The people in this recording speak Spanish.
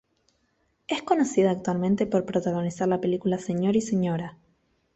Es conocida actualmente por protagonizar la película Sr. y Sra.